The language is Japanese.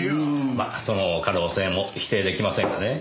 まあその可能性も否定出来ませんがね。